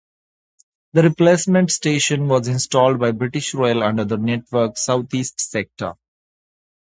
The replacement station was installed by British Rail under the Network SouthEast sector.